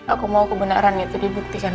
aku mau kebenaran itu dibuktikan